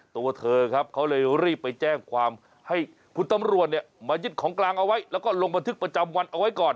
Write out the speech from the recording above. ตัวเธอครับเขาเลยรีบไปแจ้งความให้คุณตำรวจเนี่ยมายึดของกลางเอาไว้แล้วก็ลงบันทึกประจำวันเอาไว้ก่อน